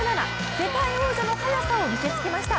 世界王者の速さを見せつけました。